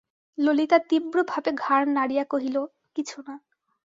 ললিতা তীব্র ভাবে ঘাড় নাড়িয়া কহিল, কিছু না।